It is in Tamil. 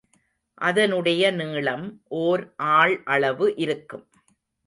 அதனுடைய நீளம் ஓர் ஆள் அளவு இருக்கும்.